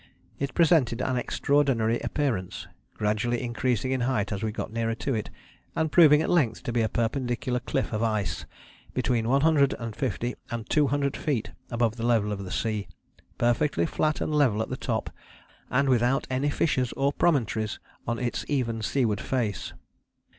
It presented an extraordinary appearance, gradually increasing in height as we got nearer to it, and proving at length to be a perpendicular cliff of ice, between one hundred and fifty and two hundred feet above the level of the sea, perfectly flat and level at the top, and without any fissures or promontories on its even seaward face."